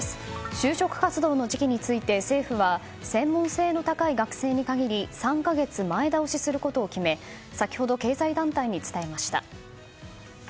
就職活動の時期について政府は専門性の高い学生に限り３か月前倒しすることを決め先ほど経済団体に伝えました。